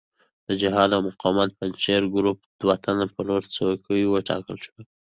د جهاد او مقاومت د پنجشیري ګروپ دوه تنه په لوړو څوکیو وټاکل شول.